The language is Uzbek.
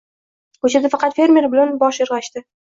Ko‘chada faqat fermer bilan bosh irg’ashadi.